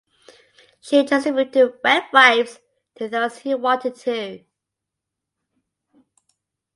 She distributed wet wipes to those who wanted to.